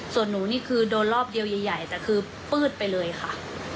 ส่วนหนูนี่คือโดนรอบเดียวใหญ่แต่คือปืดไปเลยค่ะ